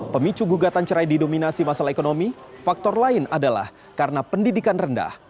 pemicu gugatan cerai didominasi masalah ekonomi faktor lain adalah karena pendidikan rendah